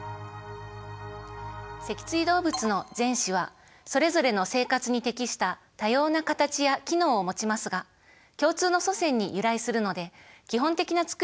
脊椎動物の前肢はそれぞれの生活に適した多様な形や機能をもちますが共通の祖先に由来するので基本的なつくりは同じなんですね。